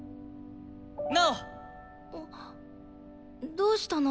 どうしたの？